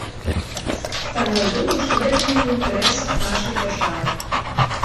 Таму я думаю, што гэта не ў інтарэсах нашай дзяржавы.